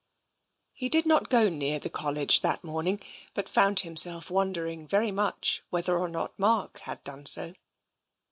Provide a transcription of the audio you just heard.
He did not go near the College that morning, but found himself wondering very much whether or not Mark had done so.